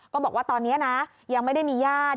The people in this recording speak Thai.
บอกว่าตอนนี้นะยังไม่ได้มีญาติ